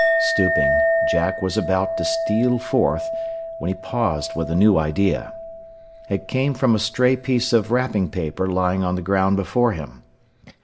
Stooping, Jack was about to steal forth, when he paused with a new idea. It came from a stray piece of wrapping paper lying on the ground before him.